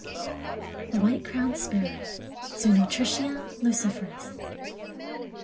] THE WHITE CROWNED SPARROW. (_Zonotrichia leucophrys.